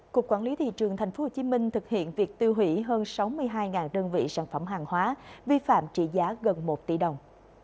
cục quản lý thị trường tp hcm thực hiện việc tiêu hủy hơn sáu mươi hai đơn vị sản phẩm hàng hóa vi phạm trị giá gần một tỷ đồng